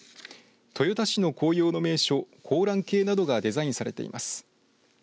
豊田市の紅葉の名所香嵐渓などがデザインされています。